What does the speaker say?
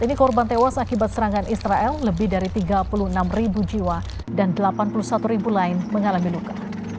kini korban tewas akibat serangan israel lebih dari tiga puluh enam jiwa dan delapan puluh satu ribu lain mengalami luka